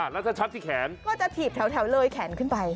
แล้วถ้าชับที่แขนก็จะถีบแถวเลยแขนขึ้นไป